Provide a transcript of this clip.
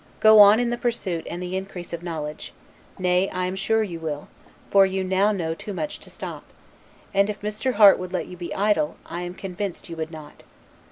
Go on in the pursuit and the increase of knowledge; nay, I am sure you will, for you now know too much to stop; and, if Mr. Harte would let you be idle, I am convinced you would not.